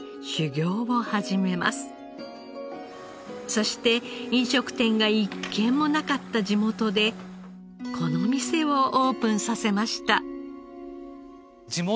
そして飲食店が一軒もなかった地元でこの店をオープンさせました。